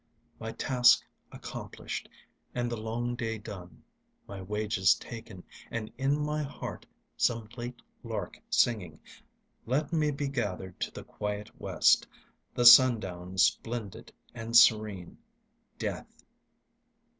My task accomplished and the long day done, My wages taken, and in my heart Some late lark singing, Let me be gathered to the quiet West, The sundown splendid and serene, Death.